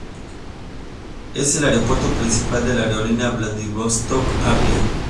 Es el aeropuerto principal de la aerolínea Vladivostok Avia.